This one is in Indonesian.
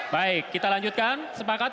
baik kita lanjutkan sepakat